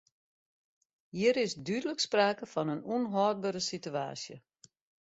Hjir is dúdlik sprake fan in ûnhâldbere situaasje.